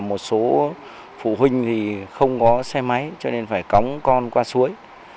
một số phụ huynh thì không có xe máy cho nên phải cống con qua suối